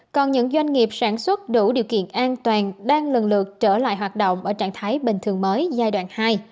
còn những doanh nghiệp sản xuất đủ điều kiện an toàn đang lần lượt trở lại hoạt động ở trạng thái bình thường mới giai đoạn hai